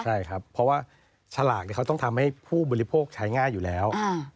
ใช่ครับเพราะว่าฉลากเขาต้องทำให้ผู้บริโภคใช้ง่ายอยู่แล้ว